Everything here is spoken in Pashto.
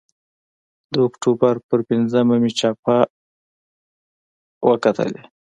د اکتوبر پر پینځمه مې چاپه وکتلې.